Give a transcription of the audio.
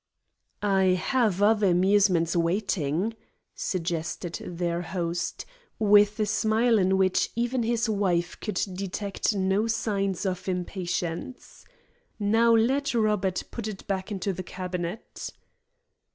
"I have other amusements waiting," suggested their host, with a smile in which even his wife could detect no signs of impatience. "Now let Robert put it back into the cabinet."